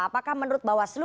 apakah menurut bawaslu